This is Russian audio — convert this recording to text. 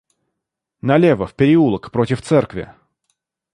Налево, в переулок, против церкви!